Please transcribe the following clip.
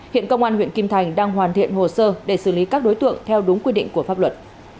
hiện công an huyện kim thành đang hoàn thiện hồ sơ để xử lý các đối tượng theo đúng quy định của pháp luật